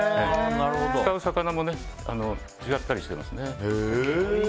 使う魚も違ったりしますね。